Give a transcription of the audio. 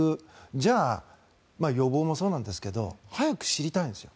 じゃあ予防もそうなんですけど早く知りたいんですよ。